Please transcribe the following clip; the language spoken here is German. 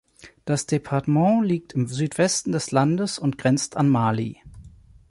Das Departement liegt im Südwesten des Landes und grenzt an Mali.